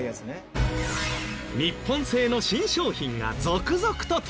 日本製の新商品が続々と登場した。